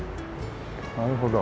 なるほど。